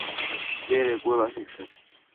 ვერ ეგუება სიცხეს.